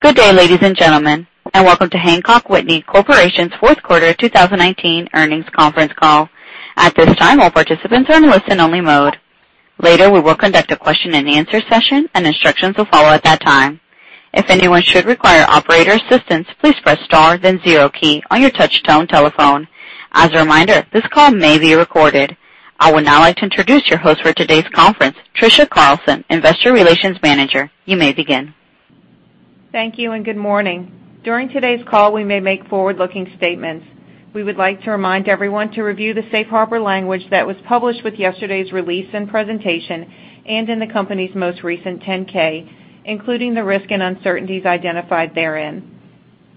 Good day, ladies and gentlemen, and welcome to Hancock Whitney Corporation's fourth quarter 2019 earnings conference call. At this time, all participants are in listen only mode. Later, we will conduct a question and answer session and instructions will follow at that time. If anyone should require operator assistance, please press star then zero key on your touchtone telephone. As a reminder, this call may be recorded. I would now like to introduce your host for today's conference, Trisha Carlson, Investor Relations Manager. You may begin. Thank you. Good morning. During today's call, we may make forward-looking statements. We would like to remind everyone to review the safe harbor language that was published with yesterday's release and presentation, and in the company's most recent 10-K, including the risk and uncertainties identified therein.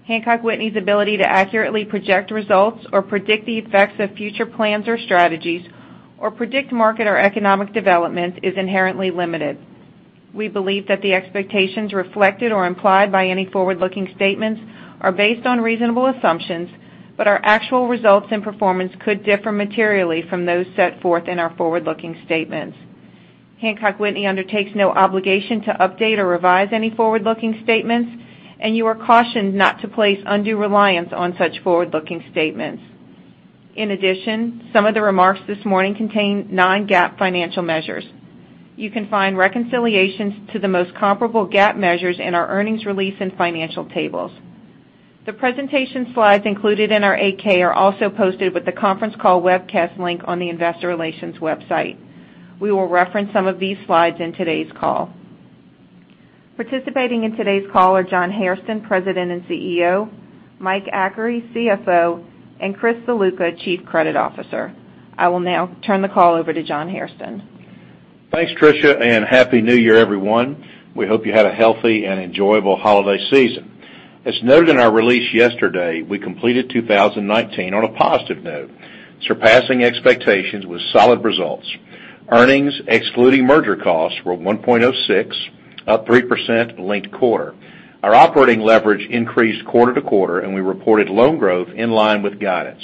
Hancock Whitney's ability to accurately project results or predict the effects of future plans or strategies, or predict market or economic development is inherently limited. We believe that the expectations reflected or implied by any forward-looking statements are based on reasonable assumptions. Our actual results and performance could differ materially from those set forth in our forward-looking statements. Hancock Whitney undertakes no obligation to update or revise any forward-looking statements. You are cautioned not to place undue reliance on such forward-looking statements. In addition, some of the remarks this morning contain non-GAAP financial measures. You can find reconciliations to the most comparable GAAP measures in our earnings release and financial tables. The presentation slides included in our 8-K are also posted with the conference call webcast link on the investor relations website. We will reference some of these slides in today's call. Participating in today's call are John Hairston, President and CEO, Mike Achary, CFO, and Chris Ziluca, Chief Credit Officer. I will now turn the call over to John Hairston. Thanks, Trisha. Happy New Year, everyone. We hope you had a healthy and enjoyable holiday season. As noted in our release yesterday, we completed 2019 on a positive note, surpassing expectations with solid results. Earnings excluding merger costs were $1.06, up 3% linked quarter. Our operating leverage increased quarter-to-quarter. We reported loan growth in line with guidance,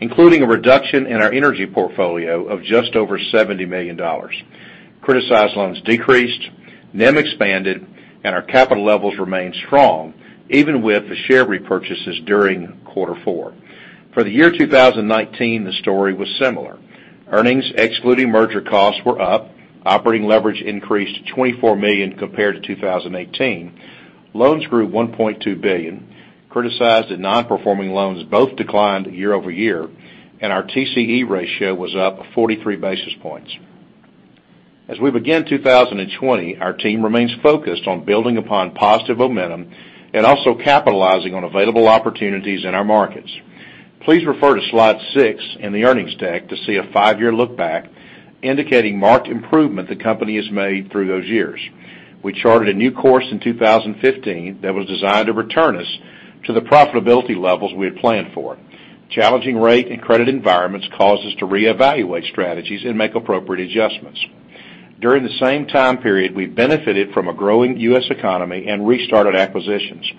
including a reduction in our energy portfolio of just over $70 million. Criticized loans decreased, NIM expanded. Our capital levels remained strong even with the share repurchases during quarter four. For the year 2019, the story was similar. Earnings excluding merger costs were up. Operating leverage increased to $24 million compared to 2018. Loans grew to $1.2 billion. Criticized and non-performing loans both declined year-over-year. Our TCE ratio was up 43 basis points. As we begin 2020, our team remains focused on building upon positive momentum and also capitalizing on available opportunities in our markets. Please refer to slide six in the earnings deck to see a five-year look back indicating marked improvement the company has made through those years. We charted a new course in 2015 that was designed to return us to the profitability levels we had planned for. Challenging rate and credit environments caused us to reevaluate strategies and make appropriate adjustments. During the same time period, we benefited from a growing U.S. economy and restarted acquisitions.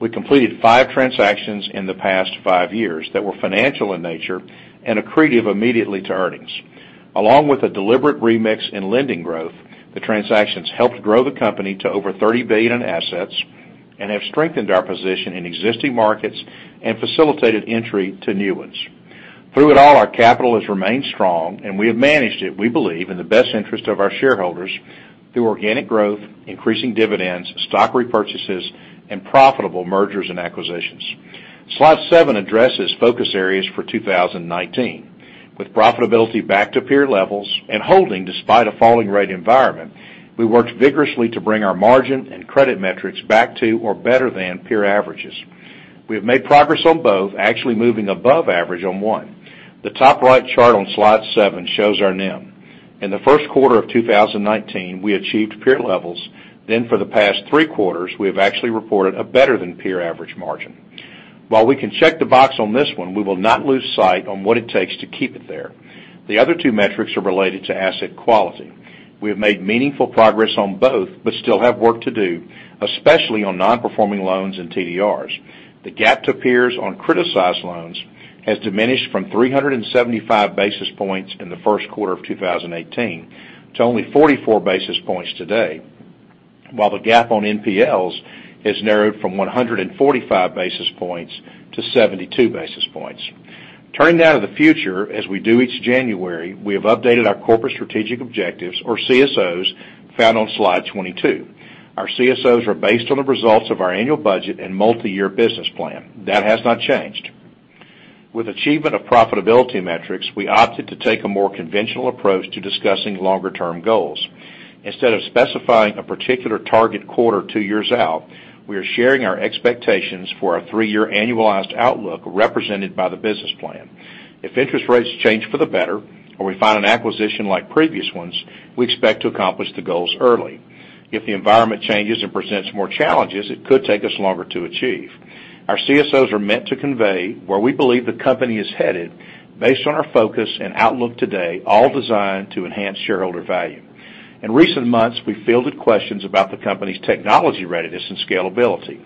We completed five transactions in the past five years that were financial in nature and accretive immediately to earnings. Along with a deliberate remix in lending growth, the transactions helped grow the company to over $30 billion in assets and have strengthened our position in existing markets and facilitated entry to new ones. Through it all, our capital has remained strong, and we have managed it, we believe, in the best interest of our shareholders through organic growth, increasing dividends, stock repurchases, and profitable mergers and acquisitions. Slide seven addresses focus areas for 2019. With profitability back to peer levels and holding despite a falling rate environment, we worked vigorously to bring our margin and credit metrics back to or better than peer averages. We have made progress on both, actually moving above average on one. The top right chart on slide seven shows our NIM. In the first quarter of 2019, we achieved peer levels. For the past three quarters, we have actually reported a better than peer average margin. While we can check the box on this one, we will not lose sight on what it takes to keep it there. The other two metrics are related to asset quality. We have made meaningful progress on both, but still have work to do, especially on Non-Performing Loans and TDRs. The gap to peers on criticized loans has diminished from 375 basis points in the first quarter of 2018 to only 44 basis points today. The gap on NPLs has narrowed from 145 basis points to 72 basis points. Turning now to the future, as we do each January, we have updated our Corporate Strategic Objectives or CSOs found on slide 22. Our CSOs are based on the results of our annual budget and multi-year business plan. That has not changed. With achievement of profitability metrics, we opted to take a more conventional approach to discussing longer-term goals. Instead of specifying a particular target quarter two years out, we are sharing our expectations for our three-year annualized outlook represented by the business plan. If interest rates change for the better or we find an acquisition like previous ones, we expect to accomplish the goals early. If the environment changes and presents more challenges, it could take us longer to achieve. Our CSOs are meant to convey where we believe the company is headed based on our focus and outlook today, all designed to enhance shareholder value. In recent months, we fielded questions about the company's technology readiness and scalability.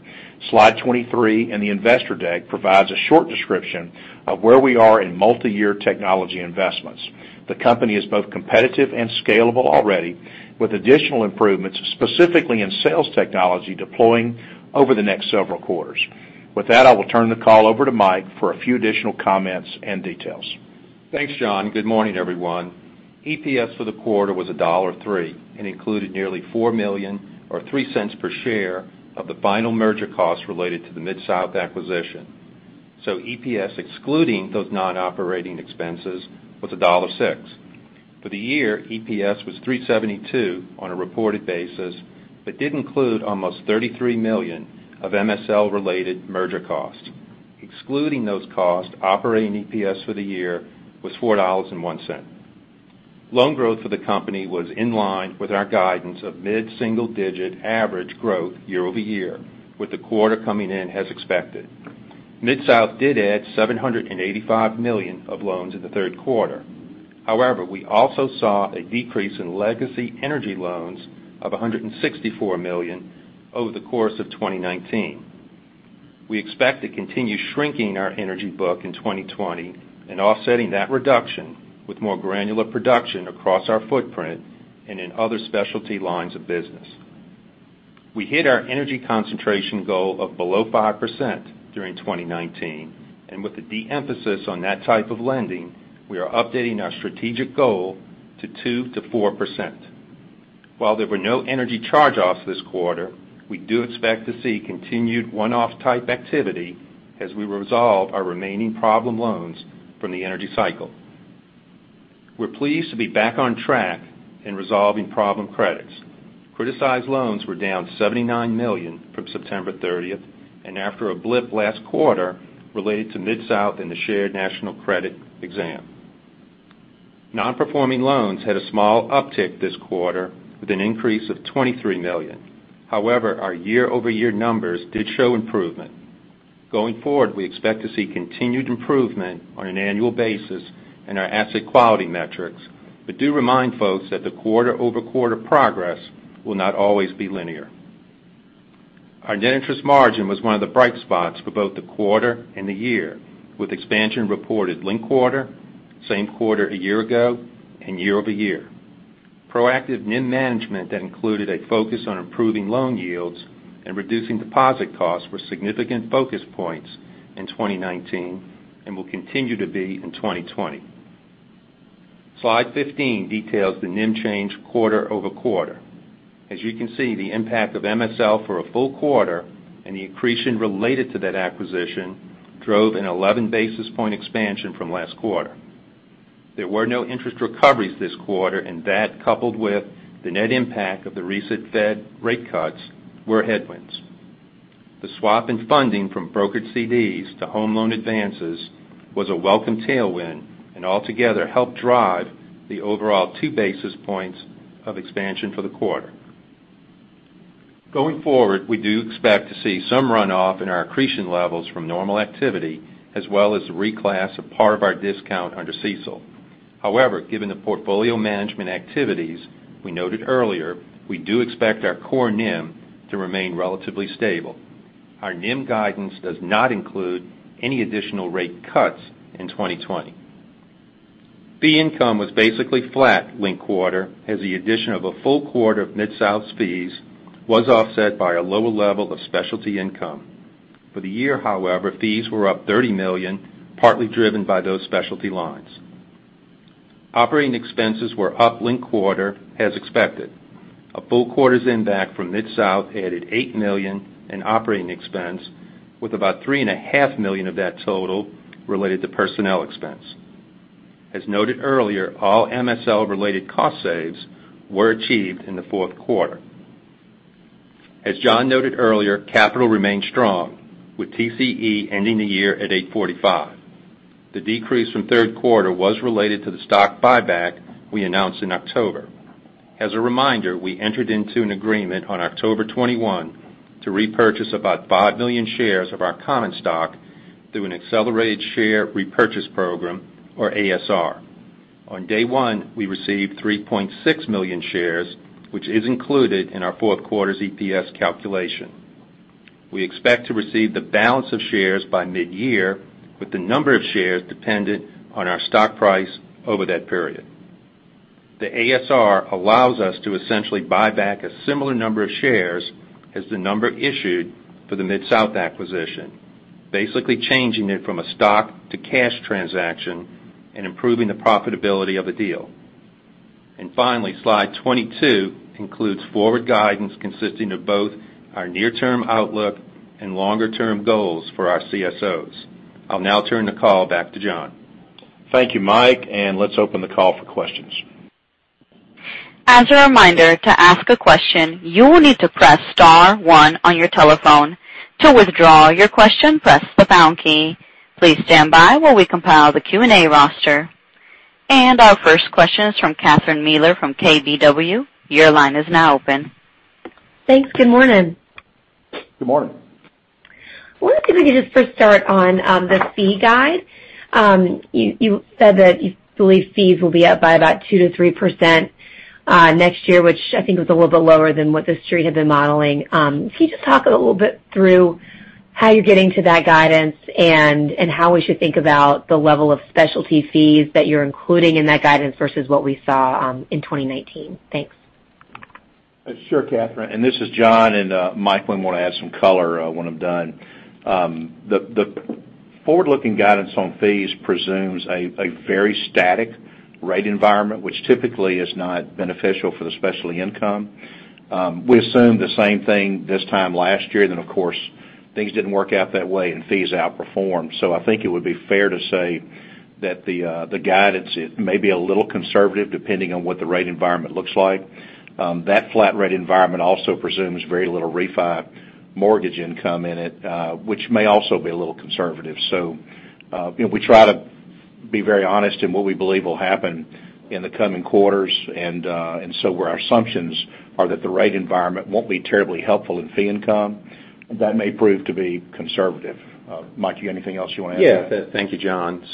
Slide 23 in the investor deck provides a short description of where we are in multi-year technology investments. The company is both competitive and scalable already, with additional improvements, specifically in sales technology, deploying over the next several quarters. With that, I will turn the call over to Mike for a few additional comments and details. Thanks, John. Good morning, everyone. EPS for the quarter was $1.03 and included nearly $4 million, or $0.03 per share, of the final merger cost related to the MidSouth acquisition. EPS, excluding those non-operating expenses, was $1.06. For the year, EPS was $3.72 on a reported basis but did include almost $33 million of MSL-related merger cost. Excluding those costs, operating EPS for the year was $4.01. Loan growth for the company was in line with our guidance of mid-single-digit average growth year-over-year, with the quarter coming in as expected. MidSouth did add $785 million of loans in the third quarter. However, we also saw a decrease in legacy energy loans of $164 million over the course of 2019. We expect to continue shrinking our energy book in 2020 and offsetting that reduction with more granular production across our footprint and in other specialty lines of business. With the de-emphasis on that type of lending, we are updating our strategic goal to 2%-4%. While there were no energy charge-offs this quarter, we do expect to see continued one-off type activity as we resolve our remaining problem loans from the energy cycle. We're pleased to be back on track in resolving problem credits. Criticized loans were down $79 million from September 30th. After a blip last quarter related to MidSouth and the Shared National Credit exam, Non-performing loans had a small uptick this quarter with an increase of $23 million. However, our year-over-year numbers did show improvement. Going forward, we expect to see continued improvement on an annual basis in our asset quality metrics, but do remind folks that the quarter-over-quarter progress will not always be linear. Our net interest margin was one of the bright spots for both the quarter and the year, with expansion reported linked quarter, same quarter a year ago, and year-over-year. Proactive NIM management that included a focus on improving loan yields and reducing deposit costs were significant focus points in 2019 and will continue to be in 2020. Slide 15 details the NIM change quarter-over-quarter. As you can see, the impact of MSL for a full quarter and the accretion related to that acquisition drove an 11-basis-point expansion from last quarter. There were no interest recoveries this quarter, and that, coupled with the net impact of the recent Fed rate cuts, were headwinds. The swap in funding from brokered CDs to home loan advances was a welcome tailwind and altogether helped drive the overall two basis points of expansion for the quarter. Going forward, we do expect to see some runoff in our accretion levels from normal activity, as well as reclass a part of our discount under CECL. Given the portfolio management activities we noted earlier, we do expect our core NIM to remain relatively stable. Our NIM guidance does not include any additional rate cuts in 2020. Fee income was basically flat linked-quarter as the addition of a full quarter of MidSouth's fees was offset by a lower level of specialty income. For the year, however, fees were up $30 million, partly driven by those specialty lines. Operating expenses were up linked-quarter as expected. A full quarter's impact from MidSouth added $8 million in operating expense, with about $3.5 million of that total related to personnel expense. As noted earlier, all MSL-related cost saves were achieved in the fourth quarter. As John noted earlier, capital remained strong, with TCE ending the year at 845. The decrease from third quarter was related to the stock buyback we announced in October. As a reminder, we entered into an agreement on October 21 to repurchase about 5 million shares of our common stock through an accelerated share repurchase program, or ASR. On day one, we received 3.6 million shares, which is included in our fourth quarter's EPS calculation. We expect to receive the balance of shares by mid-year, with the number of shares dependent on our stock price over that period. The ASR allows us to essentially buy back a similar number of shares as the number issued for the MidSouth acquisition, basically changing it from a stock to cash transaction and improving the profitability of a deal. Finally, slide 22 includes forward guidance consisting of both our near-term outlook and longer-term goals for our CSOs. I'll now turn the call back to John. Thank you, Mike, and let's open the call for questions. As a reminder, to ask a question, you will need to press star one on your telephone. To withdraw your question, press the pound key. Please stand by while we compile the Q&A roster. Our first question is from Catherine Mealor from KBW. Your line is now open. Thanks. Good morning. Good morning. I wonder if we could just first start on the fee guide. You said that you believe fees will be up by about 2%-3% next year, which I think was a little bit lower than what the Street had been modeling. Can you just talk a little bit through how you're getting to that guidance and how we should think about the level of specialty fees that you're including in that guidance versus what we saw in 2019? Thanks. Sure, Catherine. This is John. Mike will want to add some color when I'm done. The forward-looking guidance on fees presumes a very static rate environment, which typically is not beneficial for the specialty income. We assumed the same thing this time last year. Of course, things didn't work out that way. Fees outperformed. I think it would be fair to say that the guidance is maybe a little conservative, depending on what the rate environment looks like. That flat rate environment also presumes very little refi mortgage income in it, which may also be a little conservative. We try to be very honest in what we believe will happen in the coming quarters. Where our assumptions are that the rate environment won't be terribly helpful in fee income, that may prove to be conservative. Mike, you have anything else you want to add? Yeah. Thank you, John.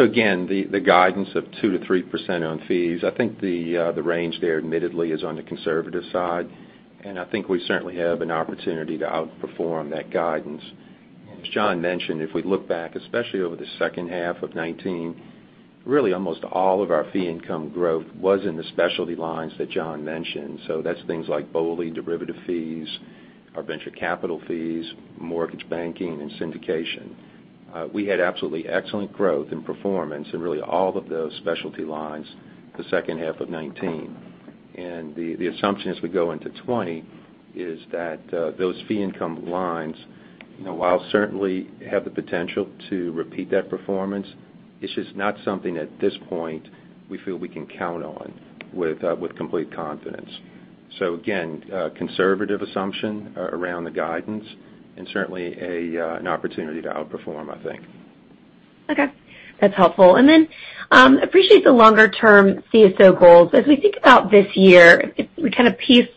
Again, the guidance of 2%-3% on fees. I think the range there admittedly is on the conservative side, and I think we certainly have an opportunity to outperform that guidance. As John mentioned, if we look back, especially over the second half of 2019, really almost all of our fee income growth was in the specialty lines that John mentioned. That's things like BOLI derivative fees, our venture capital fees, mortgage banking, and syndication. We had absolutely excellent growth and performance in really all of those specialty lines the second half of 2019. The assumption as we go into 2020 is that those fee income lines, while certainly have the potential to repeat that performance, it's just not something at this point we feel we can count on with complete confidence. Again, conservative assumption around the guidance and certainly an opportunity to outperform, I think. Okay. That's helpful. Appreciate the longer-term CSO goals. As we think about this year, if we kind of piece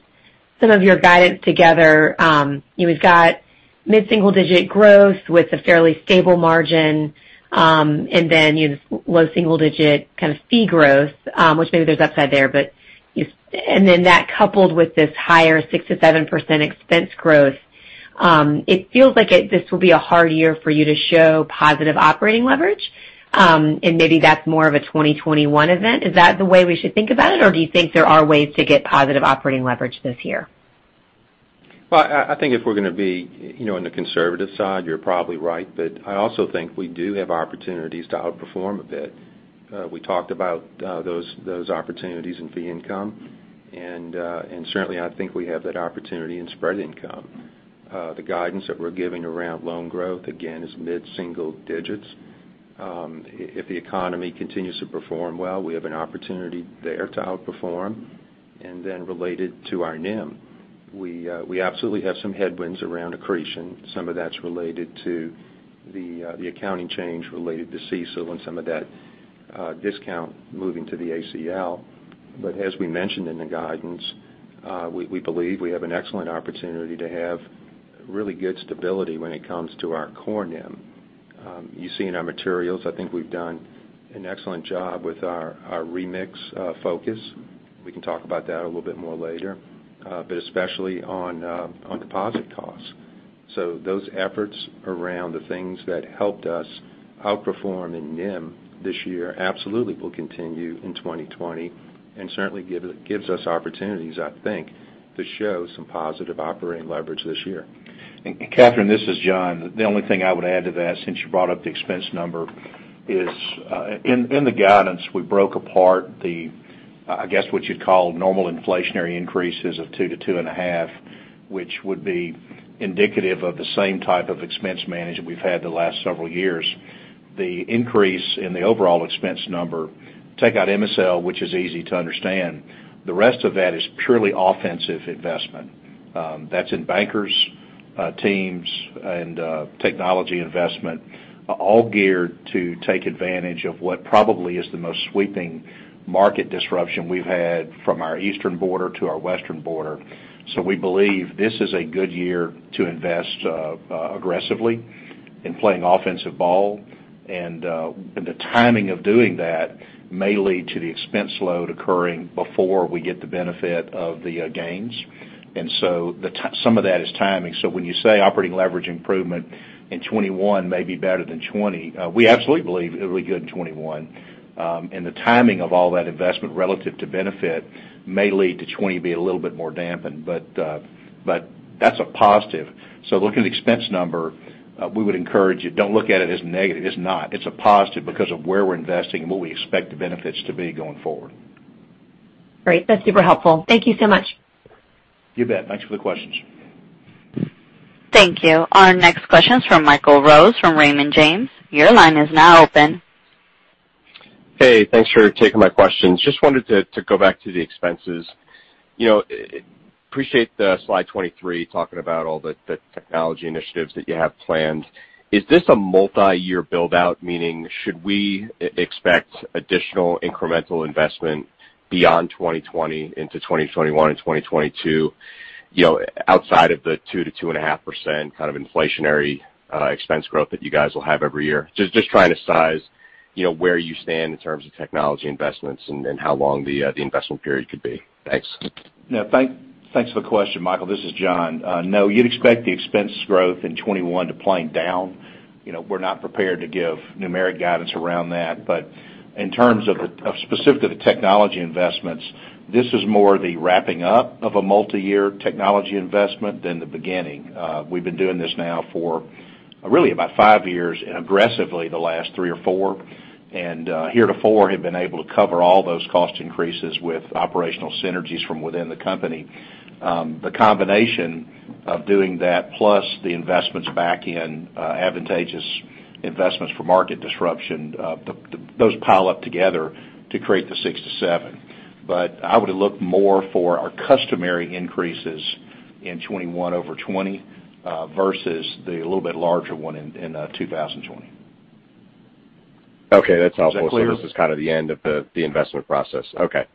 some of your guidance together, you know, we've got mid-single-digit growth with a fairly stable margin, and then low single digit kind of fee growth, which maybe there's upside there. That coupled with this higher 6%-7% expense growth, it feels like this will be a hard year for you to show positive operating leverage. Maybe that's more of a 2021 event. Is that the way we should think about it, or do you think there are ways to get positive operating leverage this year? I think if we're going to be on the conservative side, you're probably right. I also think we do have opportunities to outperform a bit. We talked about those opportunities in fee income, and certainly, I think we have that opportunity in spread income. The guidance that we're giving around loan growth, again, is mid-single digits. If the economy continues to perform well, we have an opportunity there to outperform. Related to our NIM, we absolutely have some headwinds around accretion. Some of that's related to the accounting change related to CECL and some of that discount moving to the ACL. As we mentioned in the guidance, we believe we have an excellent opportunity to have really good stability when it comes to our core NIM. You see in our materials, I think we've done an excellent job with our remix focus. We can talk about that a little bit more later, but especially on deposit costs. Those efforts around the things that helped us outperform in NIM this year absolutely will continue in 2020 and certainly gives us opportunities, I think, to show some positive operating leverage this year. Catherine, this is John. The only thing I would add to that, since you brought up the expense number, is in the guidance, we broke apart the, I guess, what you'd call normal inflationary increases of 2% to 2.5%, which would be indicative of the same type of expense management we've had the last several years. The increase in the overall expense number, take out MSL, which is easy to understand. The rest of that is purely offensive investment. That's in bankers, teams, and technology investment, all geared to take advantage of what probably is the most sweeping market disruption we've had from our eastern border to our western border. We believe this is a good year to invest aggressively in playing offensive ball, and the timing of doing that may lead to the expense load occurring before we get the benefit of the gains. Some of that is timing. When you say operating leverage improvement in 2021 may be better than 2020, we absolutely believe it'll be good in 2021. The timing of all that investment relative to benefit may lead to 2020 be a little bit more dampened. That's a positive. Looking at the expense number, we would encourage you, don't look at it as negative. It's not. It's a positive because of where we're investing and what we expect the benefits to be going forward. Great. That's super helpful. Thank you so much. You bet. Thanks for the questions. Thank you. Our next question is from Michael Rose, from Raymond James. Your line is now open. Hey, thanks for taking my questions. Just wanted to go back to the expenses. Appreciate the slide 23, talking about all the technology initiatives that you have planned. Is this a multi-year build-out? Meaning, should we expect additional incremental investment beyond 2020 into 2021 and 2022, outside of the 2%-2.5% kind of inflationary expense growth that you guys will have every year. Just trying to size where you stand in terms of technology investments and how long the investment period could be. Thanks. Thanks for the question, Michael. This is John. You'd expect the expense growth in 2021 to plane down. We're not prepared to give numeric guidance around that, in terms of specific to the technology investments, this is more the wrapping up of a multi-year technology investment than the beginning. We've been doing this now for really about five years and aggressively the last three or four, heretofore have been able to cover all those cost increases with operational synergies from within the company. The combination of doing that, plus the investments back in, advantageous investments for market disruption, those pile up together to create the 6%-7%. I would look more for our customary increases in 2021 over 2020 versus the little bit larger one in 2020. Okay. That's helpful. Is that clear? This is kind of the end of the investment process. Okay.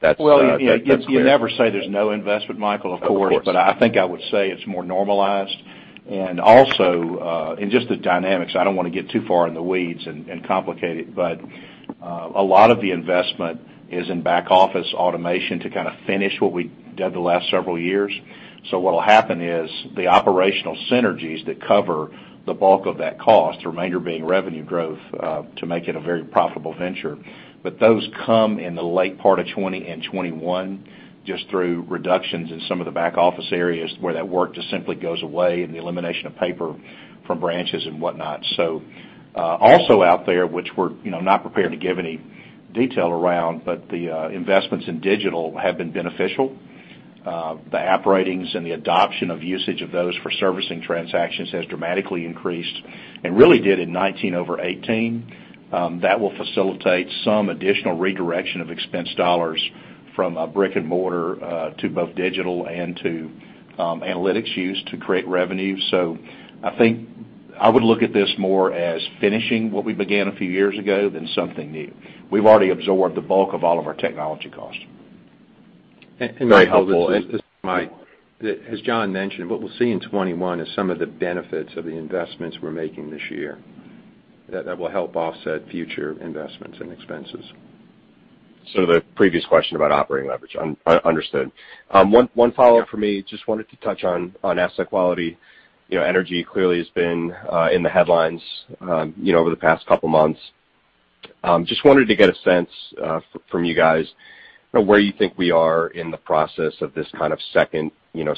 That's clear. Well, you never say there's no investment, Michael, of course. Of course. I think I would say it's more normalized, and also in just the dynamics, I don't want to get too far in the weeds and complicate it, but a lot of the investment is in back office automation to kind of finish what we did the last several years. What'll happen is the operational synergies that cover the bulk of that cost, the remainder being revenue growth, to make it a very profitable venture. Those come in the late part of 2020 and 2021, just through reductions in some of the back office areas where that work just simply goes away and the elimination of paper from branches and whatnot. Also out there, which we're not prepared to give any detail around, but the investments in digital have been beneficial. The app ratings and the adoption of usage of those for servicing transactions has dramatically increased, and really did in 2019 over 2018. That will facilitate some additional redirection of expense dollars from a brick and mortar to both digital and to analytics use to create revenue. I think I would look at this more as finishing what we began a few years ago than something new. We've already absorbed the bulk of all of our technology costs. Very helpful. Mike, as John mentioned, what we'll see in 2021 is some of the benefits of the investments we're making this year that will help offset future investments and expenses. The previous question about operating leverage. Understood. One follow-up for me. Just wanted to touch on asset quality. Energy clearly has been in the headlines over the past couple of months. Just wanted to get a sense from you guys where you think we are in the process of this kind of second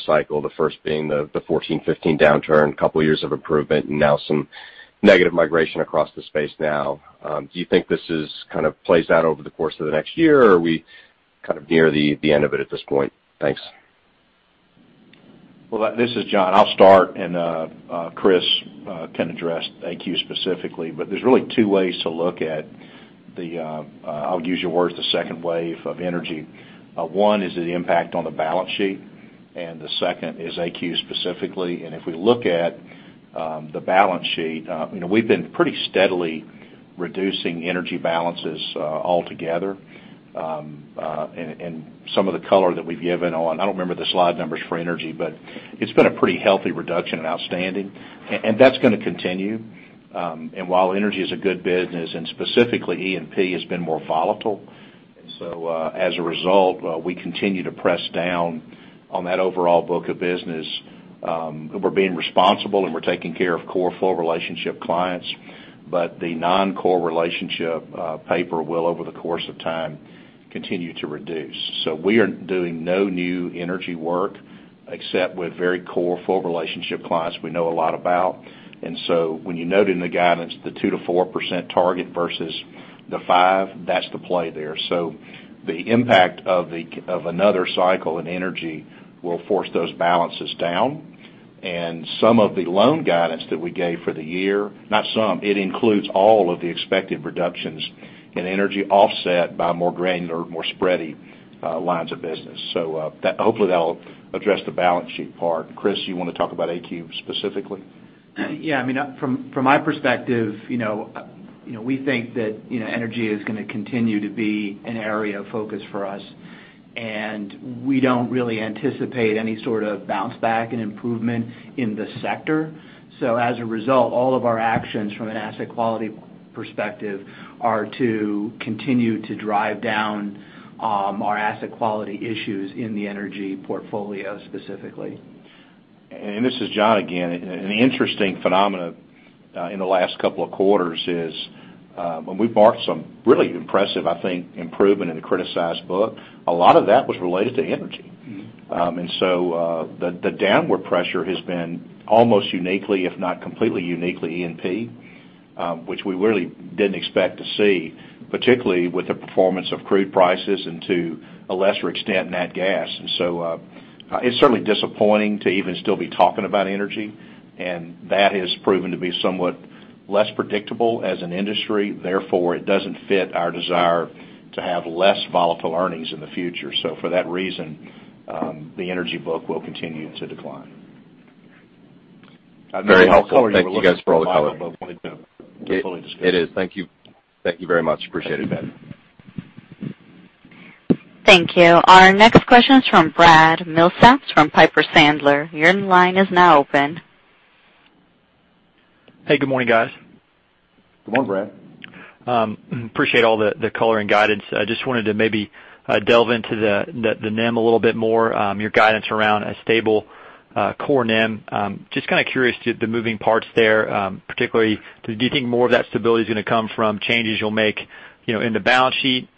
cycle, the first being the 2014, 2015 downturn, couple years of improvement, and now some negative migration across the space now. Do you think this kind of plays out over the course of the next year, or are we kind of near the end of it at this point? Thanks. Well, this is John. I'll start, Chris can address AQ specifically, there's really two ways to look at the, I'll use your words, the second wave of energy. One is the impact on the balance sheet, the second is AQ specifically. If we look at the balance sheet, we've been pretty steadily reducing energy balances altogether. Some of the color that we've given on, I don't remember the slide numbers for energy, but it's been a pretty healthy reduction in outstanding, and that's going to continue. While energy is a good business and specifically E&P has been more volatile, and so, as a result, we continue to press down on that overall book of business. We're being responsible, and we're taking care of core full relationship clients, but the non-core relationship paper will, over the course of time, continue to reduce. We are doing no new energy work except with very core full relationship clients we know a lot about. When you note in the guidance the 2%-4% target versus the 5%, that's the play there. The impact of another cycle in energy will force those balances down, and it includes all of the expected reductions in energy offset by more granular, more spready lines of business. Hopefully that'll address the balance sheet part. Chris, you want to talk about AQ specifically? Yeah. From my perspective, we think that energy is going to continue to be an area of focus for us, and we don't really anticipate any sort of bounce back and improvement in the sector. As a result, all of our actions from an asset quality perspective are to continue to drive down our asset quality issues in the energy portfolio specifically. This is John again. An interesting phenomenon in the last couple of quarters is, when we've marked some really impressive, I think, improvement in the criticized book, a lot of that was related to energy. The downward pressure has been almost uniquely, if not completely uniquely E&P, which we really didn't expect to see, particularly with the performance of crude prices and to a lesser extent, nat gas. It's certainly disappointing to even still be talking about energy, and that has proven to be somewhat less predictable as an industry. Therefore, it doesn't fit our desire to have less volatile earnings in the future. For that reason, the energy book will continue to decline. Very helpful. Thank you guys for all the color. It is. Thank you. Thank you very much. Appreciate it. Thank you. Our next question is from Brad Milsaps from Piper Sandler. Your line is now open. Hey, good morning, guys. Good morning, Brad. Appreciate all the color and guidance. I just wanted to maybe delve into the NIM a little bit more, your guidance around a stable core NIM. Just kind of curious to the moving parts there, particularly do you think more of that stability's going to come from changes you'll make in the balance sheet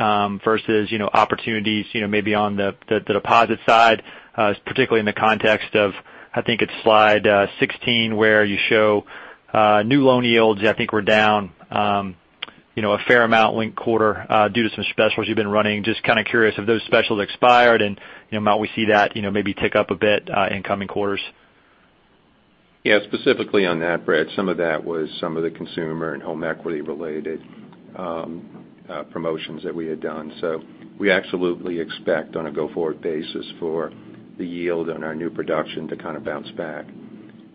versus opportunities maybe on the deposit side, particularly in the context of, I think it's slide 16, where you show new loan yields I think were down a fair amount linked quarter due to some specials you've been running. Just kind of curious have those specials expired and might we see that maybe tick up a bit in coming quarters? Specifically on that, Brad, some of that was some of the consumer and home equity-related promotions that we had done. We absolutely expect on a go-forward basis for the yield on our new production to kind of bounce back.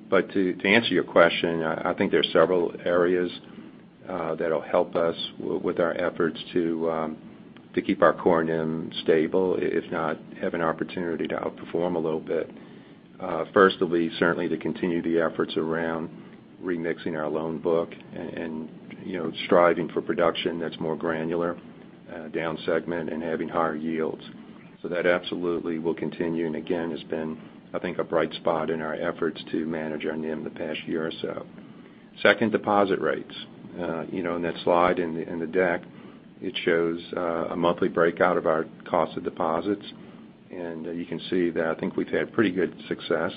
To answer your question, I think there's several areas that'll help us with our efforts to keep our core NIM stable, if not have an opportunity to outperform a little bit. First will be certainly to continue the efforts around remixing our loan book and striving for production that's more granular down segment and having higher yields. That absolutely will continue and again, has been, I think, a bright spot in our efforts to manage our NIM the past year or so. Second, deposit rates. In that slide in the deck, it shows a monthly breakout of our cost of deposits. You can see that I think we've had pretty good success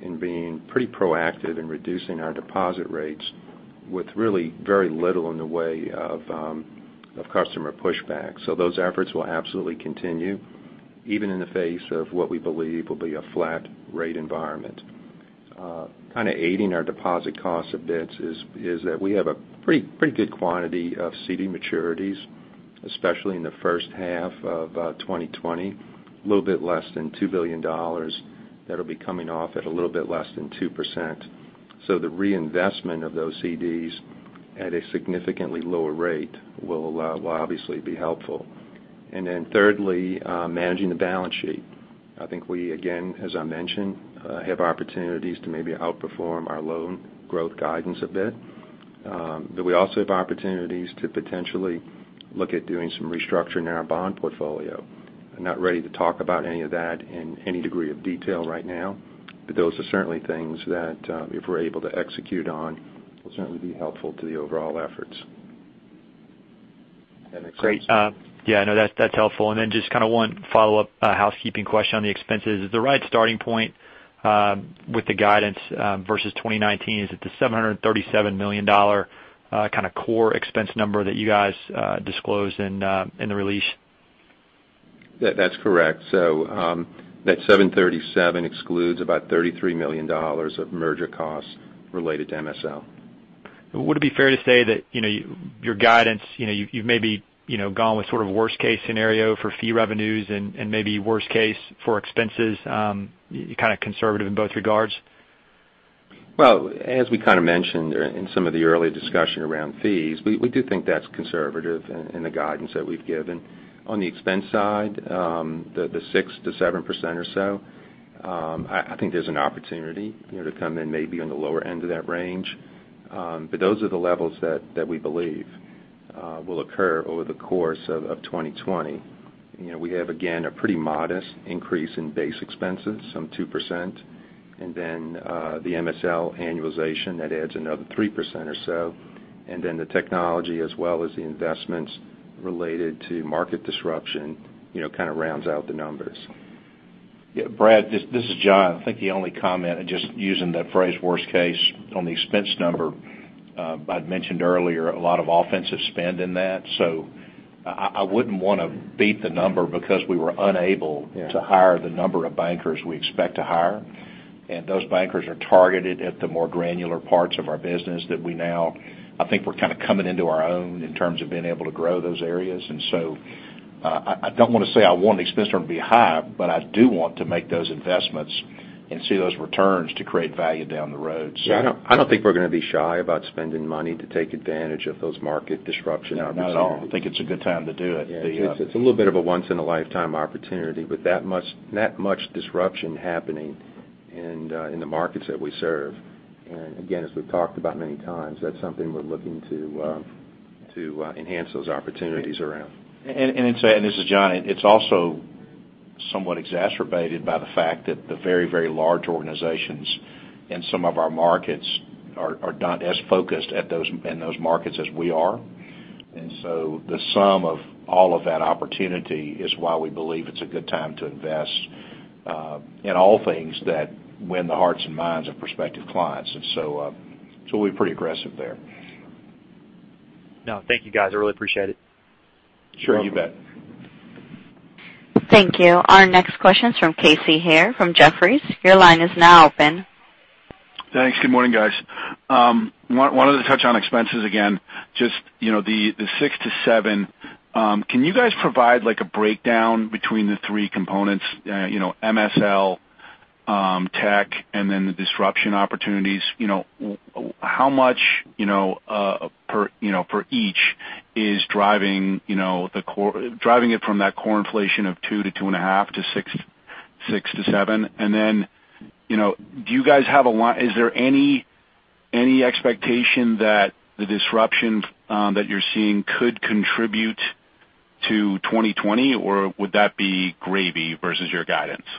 in being pretty proactive in reducing our deposit rates with really very little in the way of customer pushback. Those efforts will absolutely continue, even in the face of what we believe will be a flat rate environment. Kind of aiding our deposit cost a bit is that we have a pretty good quantity of CD maturities, especially in the first half of 2020. A little bit less than $2 billion that'll be coming off at a little bit less than 2%. The reinvestment of those CDs at a significantly lower rate will obviously be helpful. Thirdly, managing the balance sheet. I think we, again, as I mentioned, have opportunities to maybe outperform our loan growth guidance a bit. We also have opportunities to potentially look at doing some restructuring in our bond portfolio. I'm not ready to talk about any of that in any degree of detail right now. Those are certainly things that, if we're able to execute on, will certainly be helpful to the overall efforts. Does that make sense? Great. Yeah, no, that's helpful. Then just kind of one follow-up housekeeping question on the expenses. Is the right starting point with the guidance versus 2019, is it the $737 million kind of core expense number that you guys disclosed in the release? That's correct. That $737 excludes about $33 million of merger costs related to MSL. Would it be fair to say that your guidance, you've maybe gone with sort of worst-case scenario for fee revenues and maybe worst case for expenses, kind of conservative in both regards? Well, as we kind of mentioned in some of the earlier discussion around fees, we do think that's conservative in the guidance that we've given. On the expense side, the 6%-7% or so, I think there's an opportunity to come in maybe on the lower end of that range. Those are the levels that we believe will occur over the course of 2020. We have, again, a pretty modest increase in base expenses, some 2%, and then, the MSL annualization, that adds another 3% or so. The technology as well as the investments related to market disruption kind of rounds out the numbers. Yeah, Brad, this is John. I think the only comment, and just using the phrase worst case on the expense number, I'd mentioned earlier a lot of offensive spend in that. I wouldn't want to beat the number because we were unable- Yeah to hire the number of bankers we expect to hire. Those bankers are targeted at the more granular parts of our business that we now, I think, we're kind of coming into our own in terms of being able to grow those areas. I don't want to say I want the expense number to be high, but I do want to make those investments and see those returns to create value down the road. Yeah, I don't think we're going to be shy about spending money to take advantage of those market disruption opportunities. No, not at all. I think it's a good time to do it. Yeah, it's a little bit of a once-in-a-lifetime opportunity with that much disruption happening in the markets that we serve. Again, as we've talked about many times, that's something we're looking to enhance those opportunities around. This is John. It's also somewhat exacerbated by the fact that the very, very large organizations in some of our markets are not as focused in those markets as we are. The sum of all of that opportunity is why we believe it's a good time to invest in all things that win the hearts and minds of prospective clients. We're pretty aggressive there. No, thank you, guys. I really appreciate it. Sure. You bet. Welcome. Thank you. Our next question is from Casey Haire from Jefferies. Your line is now open. Thanks. Good morning, guys. I wanted to touch on expenses again, just the 6%-7%. Can you guys provide a breakdown between the three components, MSL, tech, and then the disruption opportunities? How much per each is driving it from that core inflation of 2%-2.5% to 6%-7%. Is there any expectation that the disruption that you're seeing could contribute to 2020, or would that be gravy versus your guidance? Casey,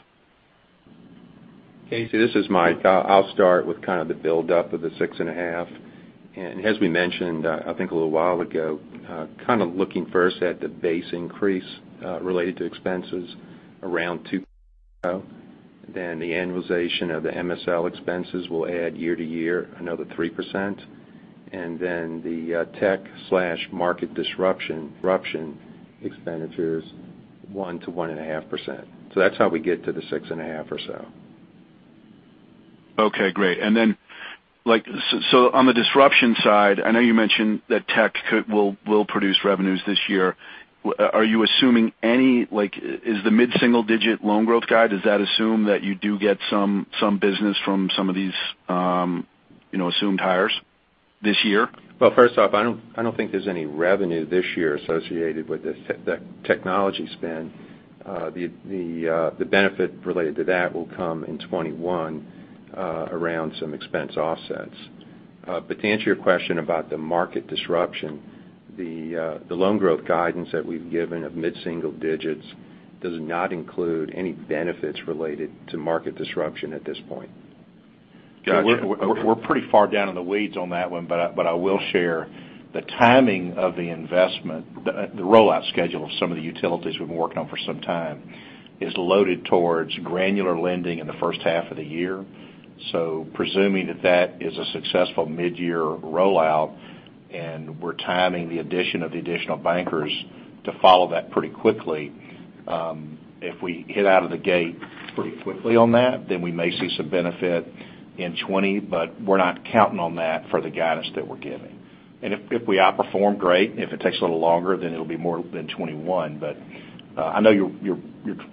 this is Mike. I'll start with kind of the buildup of the 6.5%. As we mentioned, I think a little while ago, kind of looking first at the base increase related to expenses around 2%, then the annualization of the MSL expenses will add year-over-year another 3%, and then the tech/market disruption expenditures, 1%-1.5%. That's how we get to the 6.5% or so. Okay, great. On the disruption side, I know you mentioned that tech will produce revenues this year. Are you assuming any, like is the mid-single-digit loan growth guide, does that assume that you do get some business from some of these assumed hires this year? Well, first off, I don't think there's any revenue this year associated with the technology spend. The benefit related to that will come in 2021 around some expense offsets. To answer your question about the market disruption, the loan growth guidance that we've given of mid-single digits does not include any benefits related to market disruption at this point. Gotcha. Okay. We're pretty far down in the weeds on that one, but I will share the timing of the investment, the rollout schedule of some of the utilities we've been working on for some time, is loaded towards granular lending in the first half of the year. Presuming that that is a successful mid-year rollout, and we're timing the addition of the additional bankers to follow that pretty quickly. If we hit out of the gate pretty quickly on that, then we may see some benefit in 2020, but we're not counting on that for the guidance that we're giving. If we outperform, great. If it takes a little longer, then it'll be more than 2021. I know you're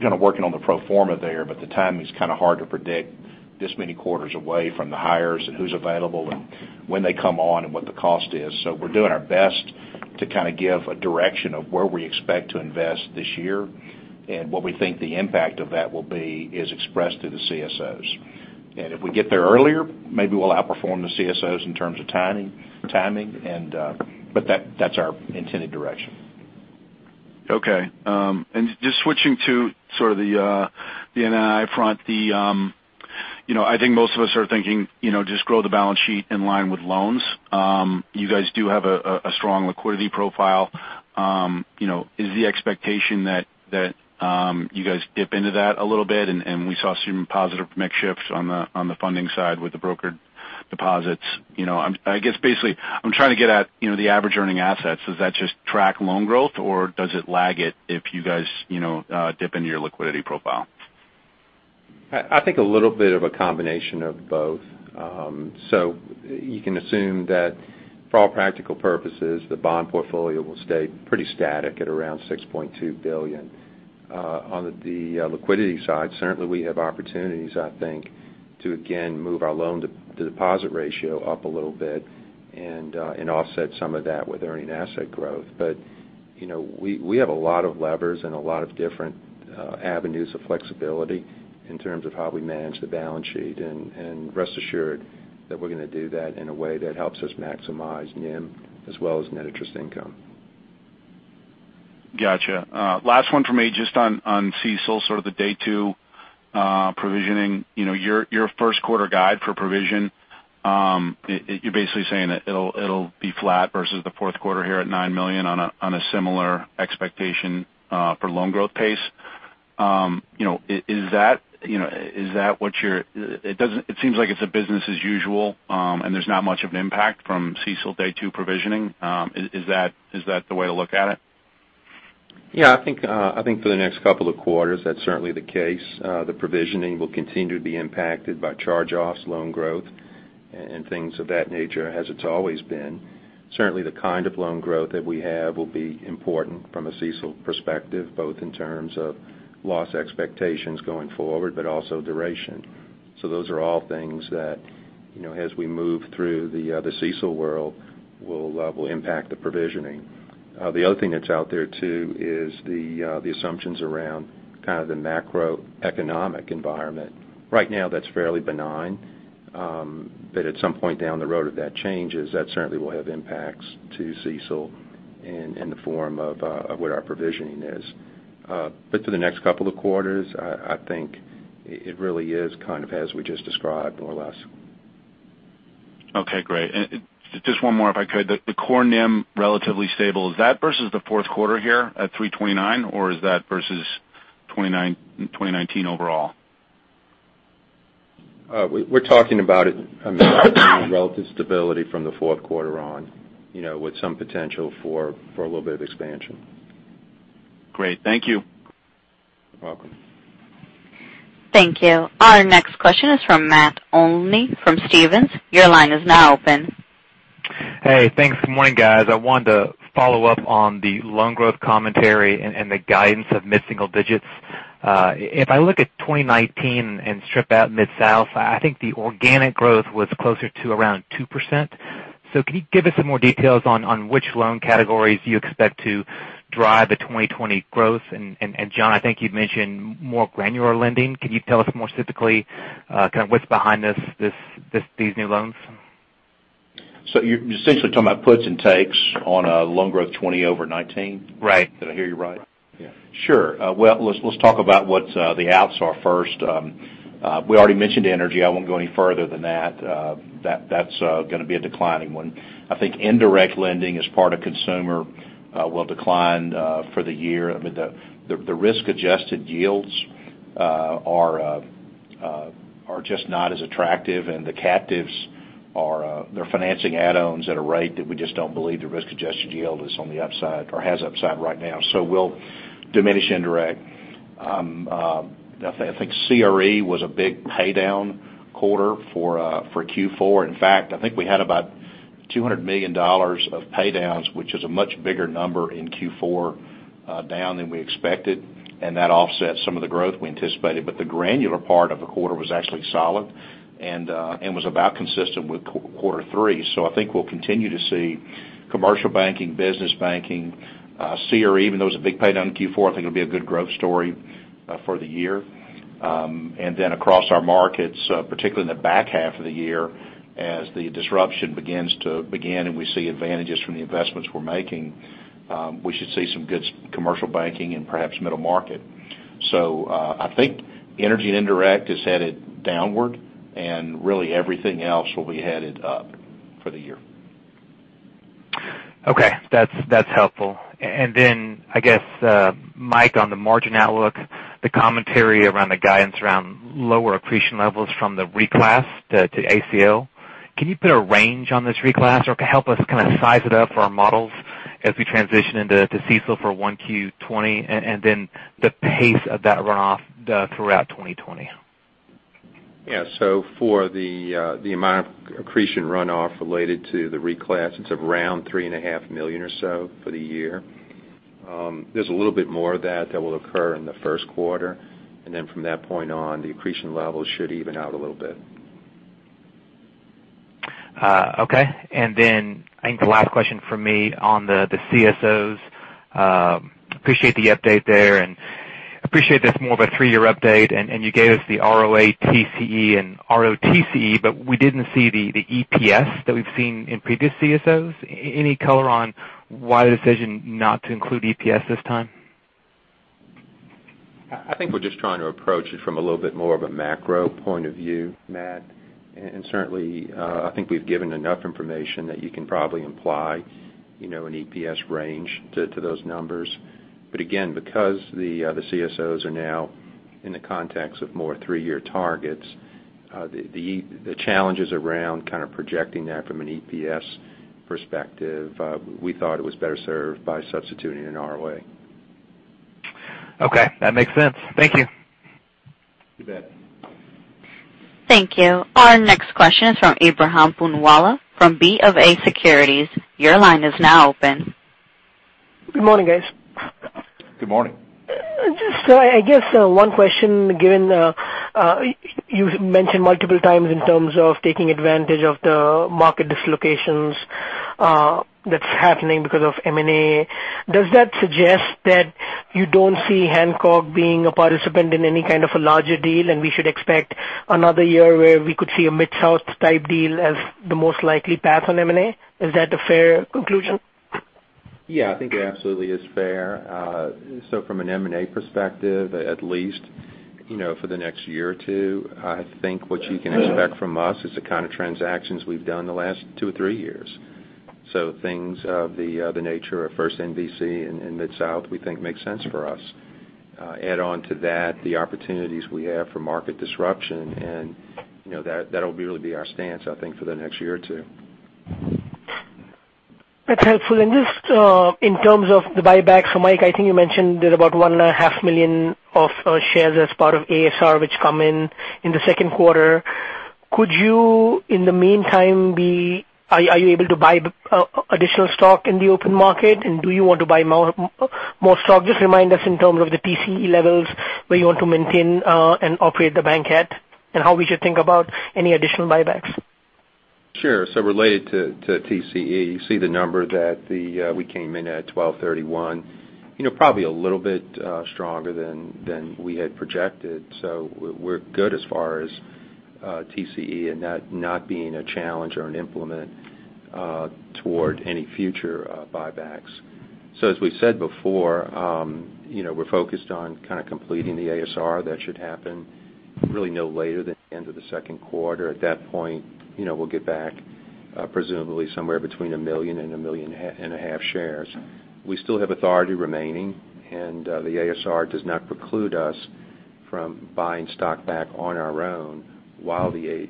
kind of working on the pro forma there, but the timing's kind of hard to predict this many quarters away from the hires and who's available and when they come on and what the cost is. We're doing our best to kind of give a direction of where we expect to invest this year, and what we think the impact of that will be is expressed through the CSOs. If we get there earlier, maybe we'll outperform the CSOs in terms of timing. That's our intended direction. Okay. Just switching to sort of the NII front. I think most of us are thinking, just grow the balance sheet in line with loans. You guys do have a strong liquidity profile. Is the expectation that you guys dip into that a little bit, and we saw some positive mix shifts on the funding side with the brokered deposits. I guess, basically, I'm trying to get at the average earning assets. Does that just track loan growth, or does it lag it if you guys dip into your liquidity profile? I think a little bit of a combination of both. You can assume that for all practical purposes, the bond portfolio will stay pretty static at around $6.2 billion. On the liquidity side, certainly we have opportunities, I think, to, again, move our loan-to-deposit ratio up a little bit and offset some of that with earning asset growth. We have a lot of levers and a lot of different avenues of flexibility in terms of how we manage the balance sheet, and rest assured that we're going to do that in a way that helps us maximize NIM as well as Net Interest Income. Gotcha. Last one from me, just on CECL, sort of the day two provisioning. Your first quarter guide for provision, you're basically saying that it'll be flat versus the fourth quarter here at $9 million on a similar expectation for loan growth pace. It seems like it's a business as usual, there's not much of an impact from CECL day two provisioning. Is that the way to look at it? Yeah, I think for the next couple of quarters, that's certainly the case. The provisioning will continue to be impacted by charge-offs, loan growth, and things of that nature, as it's always been. Certainly, the kind of loan growth that we have will be important from a CECL perspective, both in terms of loss expectations going forward, but also duration. Those are all things that, as we move through the CECL world, will impact the provisioning. The other thing that's out there too is the assumptions around kind of the macroeconomic environment. Right now, that's fairly benign. At some point down the road if that changes, that certainly will have impacts to CECL in the form of what our provisioning is. For the next couple of quarters, I think it really is kind of as we just described, more or less. Okay, great. Just one more, if I could. The core NIM, relatively stable. Is that versus the fourth quarter here at 329, or is that versus 2019 overall? We're talking about it relative stability from the fourth quarter on with some potential for a little bit of expansion. Great. Thank you. You're welcome. Thank you. Our next question is from Matt Olney from Stephens. Your line is now open. Hey, thanks. Good morning, guys. I wanted to follow up on the loan growth commentary and the guidance of mid-single digits. If I look at 2019 and strip out MidSouth, I think the organic growth was closer to around 2%. Can you give us some more details on which loan categories you expect to drive the 2020 growth? John, I think you'd mentioned more granular lending. Can you tell us more specifically kind of what's behind these new loans? You're essentially talking about puts and takes on loan growth 2020 over 2019? Right. Did I hear you right? Yeah, sure. Well, let's talk about what the outs are first. We already mentioned energy. I won't go any further than that. That's going to be a declining one. I think indirect lending as part of consumer will decline for the year. I mean, the risk-adjusted yields are just not as attractive, and the captives are they're financing add-ons at a rate that we just don't believe the risk-adjusted yield is on the upside or has upside right now. We'll diminish indirect. I think CRE was a big paydown quarter for Q4. In fact, I think we had about $200 million of paydowns, which is a much bigger number in Q4 down than we expected, and that offsets some of the growth we anticipated. The granular part of the quarter was actually solid and was about consistent with quarter 3. I think we'll continue to see commercial banking, business banking, CRE, even though it was a big paydown in Q4, I think it'll be a good growth story for the year. Across our markets, particularly in the back half of the year, as the disruption begins to begin, and we see advantages from the investments we're making, we should see some good commercial banking and perhaps middle market. I think energy and indirect is headed downward, and really everything else will be headed up for the year. Okay. That's helpful. I guess, Mike, on the margin outlook, the commentary around the guidance around lower accretion levels from the reclass to ACL. Can you put a range on this reclass, or help us kind of size it up for our models as we transition into CECL for 1Q20, and then the pace of that runoff throughout 2020? Yeah. For the amount of accretion runoff related to the reclass, it's around three and a half million or so for the year. There's a little bit more of that that will occur in the first quarter. Then from that point on, the accretion levels should even out a little bit. Okay. I think the last question from me on the CSOs. Appreciate the update there, appreciate that it's more of a three-year update, you gave us the ROA, TCE, and ROTCE, we didn't see the EPS that we've seen in previous CSOs. Any color on why the decision not to include EPS this time? I think we're just trying to approach it from a little bit more of a macro point of view, Matt. Certainly, I think we've given enough information that you can probably imply an EPS range to those numbers. Again, because the CSOs are now in the context of more 3-year targets, the challenges around kind of projecting that from an EPS perspective, we thought it was better served by substituting an ROA. Okay. That makes sense. Thank you. You bet. Thank you. Our next question is from Ebrahim Poonawala from BofA Securities. Your line is now open. Good morning, guys. Good morning. Just, I guess, one question, given you've mentioned multiple times in terms of taking advantage of the market dislocations that's happening because of M&A. Does that suggest that you don't see Hancock being a participant in any kind of a larger deal, and we should expect another year where we could see a MidSouth type deal as the most likely path on M&A? Is that a fair conclusion? Yeah, I think it absolutely is fair. From an M&A perspective, at least for the next year or two, I think what you can expect from us is the kind of transactions we've done the last two or three years. Things of the nature of First NBC and MidSouth, we think makes sense for us. Add on to that the opportunities we have for market disruption, that'll really be our stance, I think, for the next year or two. That's helpful. Just in terms of the buybacks, Mike, I think you mentioned there's about one and a half million of shares as part of ASR which come in in the second quarter. Could you, in the meantime, are you able to buy additional stock in the open market, and do you want to buy more stock? Just remind us in terms of the TCE levels where you want to maintain and operate the bank at, and how we should think about any additional buybacks. Sure. Related to TCE, you see the number that we came in at 12/31. Probably a little bit stronger than we had projected. We're good as far as TCE and that not being a challenge or an impediment toward any future buybacks. As we've said before, we're focused on kind of completing the ASR. That should happen really no later than end of the second quarter. At that point, we'll get back presumably somewhere between 1 million and 1.5 million shares. We still have authority remaining, and the ASR does not preclude us from buying stock back on our own while the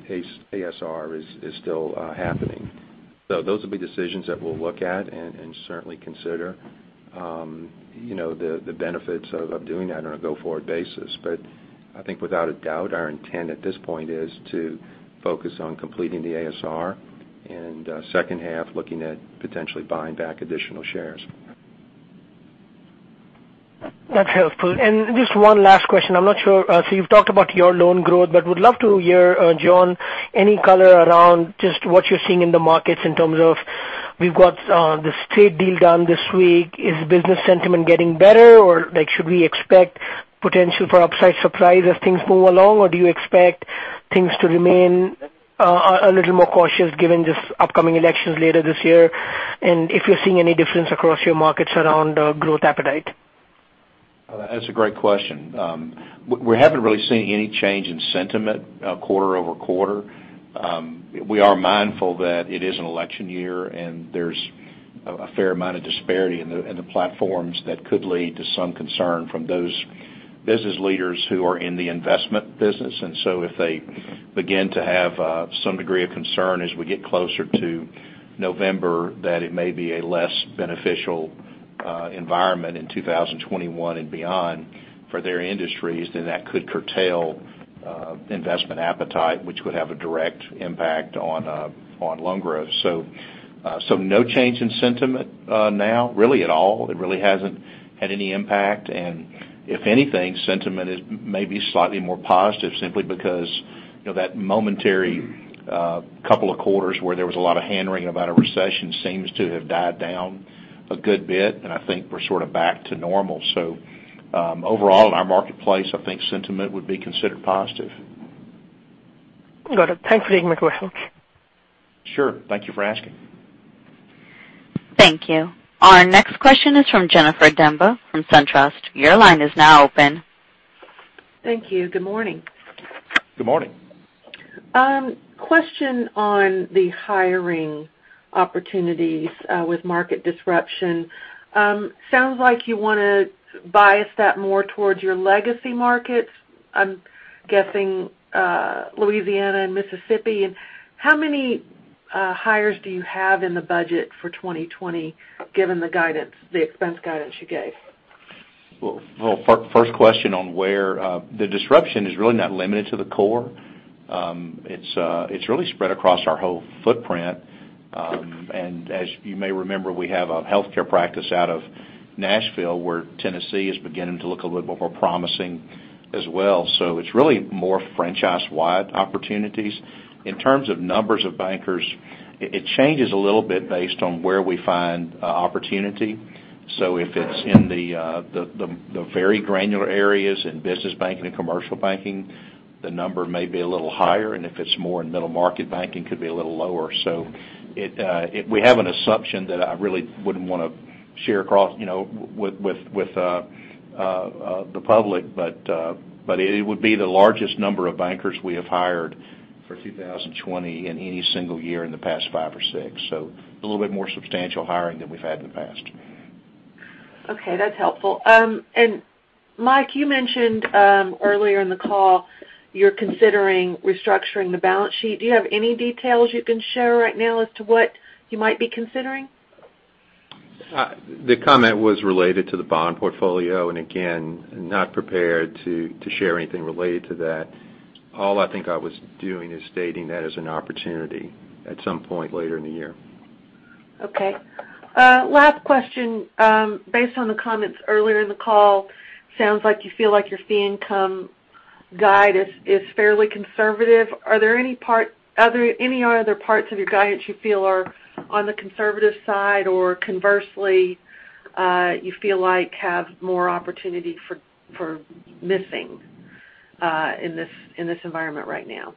ASR is still happening. Those will be decisions that we'll look at and certainly consider the benefits of doing that on a go-forward basis. I think without a doubt, our intent at this point is to focus on completing the ASR and second half, looking at potentially buying back additional shares. That's helpful. Just one last question. I'm not sure, so you've talked about your loan growth, but would love to hear, John, any color around just what you're seeing in the markets in terms of, we've got this trade deal done this week. Is business sentiment getting better? Should we expect potential for upside surprise as things move along? Do you expect things to remain a little more cautious given this upcoming elections later this year? If you're seeing any difference across your markets around growth appetite? That's a great question. We haven't really seen any change in sentiment quarter-over-quarter. We are mindful that it is an election year, there's a fair amount of disparity in the platforms that could lead to some concern from those business leaders who are in the investment business. If they begin to have some degree of concern as we get closer to November, that it may be a less beneficial environment in 2021 and beyond for their industries, then that could curtail investment appetite, which would have a direct impact on loan growth. No change in sentiment now, really at all. It really hasn't had any impact. If anything, sentiment is maybe slightly more positive simply because that momentary couple of quarters where there was a lot of hand-wringing about a recession seems to have died down a good bit, and I think we're sort of back to normal. Overall in our marketplace, I think sentiment would be considered positive. Got it. Thanks for the input, John. Sure. Thank you for asking. Thank you. Our next question is from Jennifer Demba from SunTrust. Your line is now open. Thank you. Good morning. Good morning. Question on the hiring opportunities with market disruption. Sounds like you want to bias that more towards your legacy markets, I'm guessing Louisiana and Mississippi. How many hires do you have in the budget for 2020, given the expense guidance you gave? Well, first question on where the disruption is really not limited to the core. It's really spread across our whole footprint. As you may remember, we have a healthcare practice out of Nashville, where Tennessee is beginning to look a little bit more promising as well. It's really more franchise-wide opportunities. In terms of numbers of bankers, it changes a little bit based on where we find opportunity. If it's in the very granular areas in business banking and commercial banking, the number may be a little higher, and if it's more in middle-market banking, could be a little lower. We have an assumption that I really wouldn't want to share across with the public, but it would be the largest number of bankers we have hired for 2020 in any single year in the past five or six. A little bit more substantial hiring than we've had in the past. Okay, that's helpful. Mike, you mentioned earlier in the call you're considering restructuring the balance sheet. Do you have any details you can share right now as to what you might be considering? The comment was related to the bond portfolio, and again, not prepared to share anything related to that. All I think I was doing is stating that as an opportunity at some point later in the year. Okay. Last question. Based on the comments earlier in the call, sounds like you feel like your fee income guide is fairly conservative. Are there any other parts of your guidance you feel are on the conservative side, or conversely, you feel like have more opportunity for missing in this environment right now?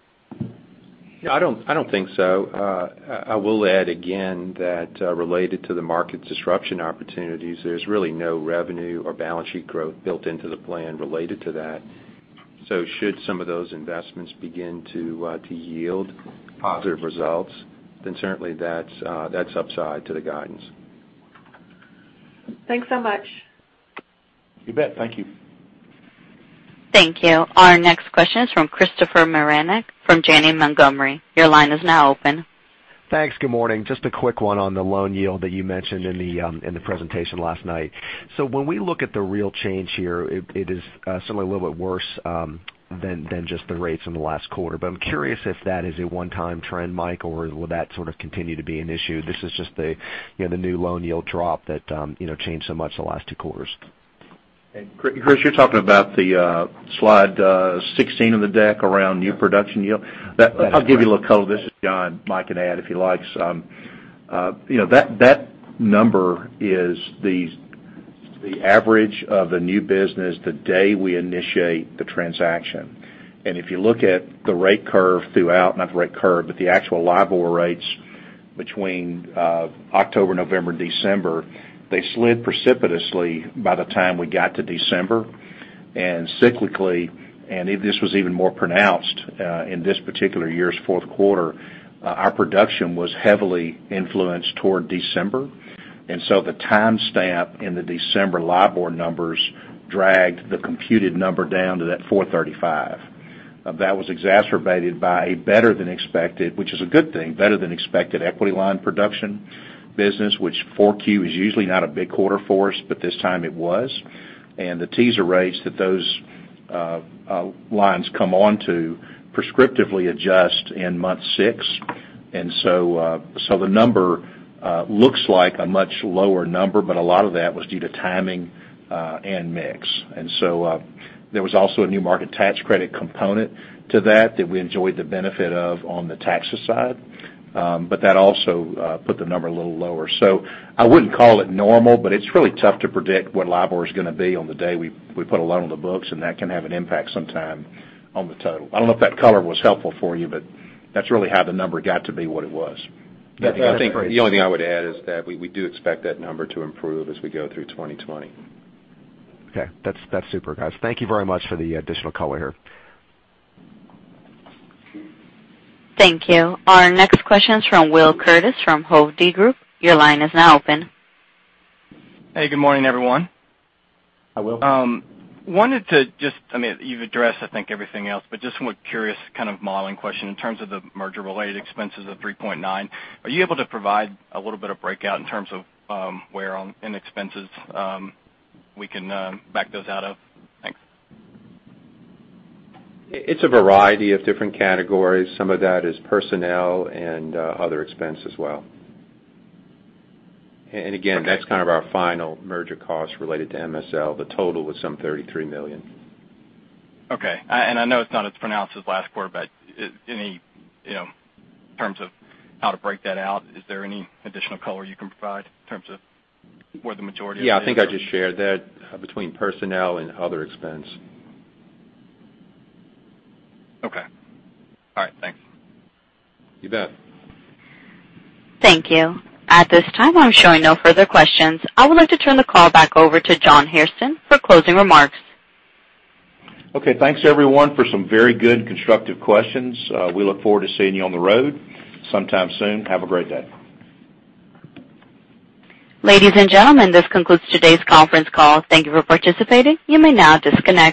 I don't think so. I will add again that related to the market disruption opportunities, there's really no revenue or balance sheet growth built into the plan related to that. Should some of those investments begin to yield positive results, certainly that's upside to the guidance. Thanks so much. You bet. Thank you. Thank you. Our next question is from Christopher Marinac from Janney Montgomery. Your line is now open. Thanks. Good morning. Just a quick one on the loan yield that you mentioned in the presentation last night. When we look at the real change here, it is certainly a little bit worse than just the rates in the last quarter. I'm curious if that is a one-time trend, Mike, or will that sort of continue to be an issue? This is just the new loan yield drop that changed so much the last two quarters. Chris, you're talking about the slide 16 on the deck around new production yield? That's right. I'll give you a little color. This is John. Mike can add if he likes. That number is the average of the new business the day we initiate the transaction. If you look at the rate curve throughout, not the rate curve, but the actual LIBOR rates between October, November, December, they slid precipitously by the time we got to December. Cyclically, and this was even more pronounced in this particular year's fourth quarter, our production was heavily influenced toward December. The timestamp in the December LIBOR numbers dragged the computed number down to that 435. That was exacerbated by better than expected, which is a good thing, better than expected equity line production business, which four Q is usually not a big quarter for us, but this time it was. The teaser rates that those lines come on to prescriptively adjust in month six. The number looks like a much lower number, but a lot of that was due to timing and mix. There was also a new market tax credit component to that we enjoyed the benefit of on the taxes side. That also put the number a little lower. I wouldn't call it normal, but it's really tough to predict what LIBOR is going to be on the day we put a loan on the books, and that can have an impact sometime on the total. I don't know if that color was helpful for you, but that's really how the number got to be what it was. I think the only thing I would add is that we do expect that number to improve as we go through 2020. Okay. That's super, guys. Thank you very much for the additional color here. Thank you. Our next question is from Will Curtiss from Hovde Group. Your line is now open. Hey, good morning, everyone. Hi, Will. wanted to just, you've addressed I think everything else, but just one curious kind of modeling question in terms of the merger-related expenses of $3.9. Are you able to provide a little bit of breakout in terms of where on in expenses we can back those out of? Thanks. It's a variety of different categories. Some of that is personnel and other expense as well. Again, that's kind of our final merger cost related to MSL. The total was some $33 million. Okay. I know it's not as pronounced as last quarter, but any terms of how to break that out, is there any additional color you can provide in terms of where the majority of it is? Yeah, I think I just shared that between personnel and other expense. Okay. All right. Thanks. You bet. Thank you. At this time, I'm showing no further questions. I would like to turn the call back over to John Hairston for closing remarks. Okay. Thanks everyone for some very good constructive questions. We look forward to seeing you on the road sometime soon. Have a great day. Ladies and gentlemen, this concludes today's conference call. Thank you for participating. You may now disconnect.